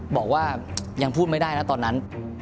บอกว่ายังพูดไม่ได้นะตอนนั้น